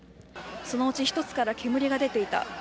そのうち１つから煙が出ていた。